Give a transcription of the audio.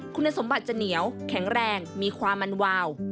คุณสมบัติจะเหนียวแข็งแรงมีความมันวาว